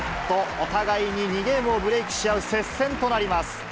お互いに２ゲームをブレークし合う接戦となります。